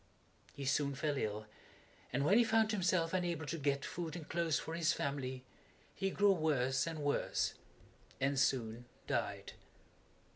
He soon fell ill, and when he found himself unable to get food and clothes for his family, he grew worse and worse and soon died.